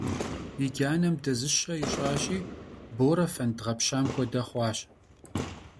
Yi canem dezışe yiş'aşi, Bore fend ğepşam xuede xhuaş.